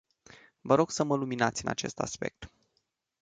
Vă rog să mă luminați în acest aspect.